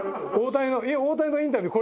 大谷のインタビュー